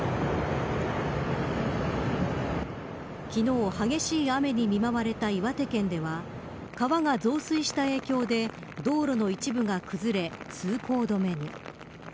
昨日、激しい雨に見舞われた岩手県では川が増水した影響で道路の一部が崩れ通行止めに。